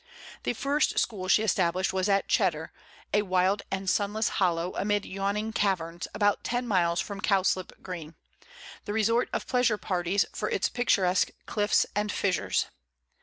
The first school she established was at Cheddar, a wild and sunless hollow, amid yawning caverns, about ten miles from Cowslip Green, the resort of pleasure parties for its picturesque cliffs and fissures.